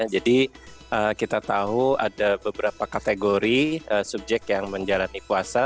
jadi kita tahu ada beberapa kategori subjek yang menjalani puasa